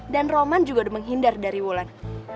dan roman juga udah menghindar dari wulan